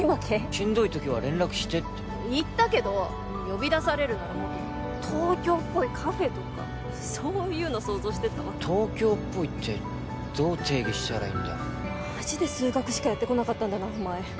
しんどい時は連絡してって言ったけど呼び出されるならもっと東京っぽいカフェとかそういうの想像してたわ東京っぽいってどう定義したらいいんだろうマジで数学しかやってこなかったんだなお前